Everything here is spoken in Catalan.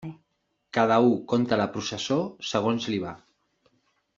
Cada u conta la processó segons li va.